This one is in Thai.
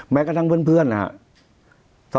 แม้กระทั่งเพื่อนนะครับ